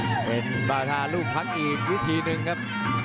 เห็นบาทารูปพักอีกวิธีหนึ่งครับ